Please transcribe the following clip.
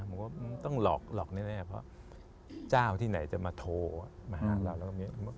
ผมว่ามันต้องหลอกแน่เพราะเจ้าที่ไหนจะมาโทรมาหาเราแล้วก็